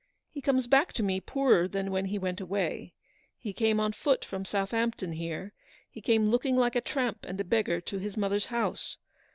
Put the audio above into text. He comes back to me poorer than when he went away. He came on foot from Southampton here; he came looking like a tramp and a beggar to his mother's house.